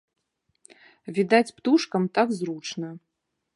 Відаць, птушкам так зручна.